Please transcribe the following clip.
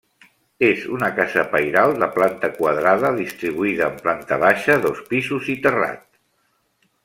És una casa pairal de planta quadrada distribuïda en planta baixa, dos pisos i terrat.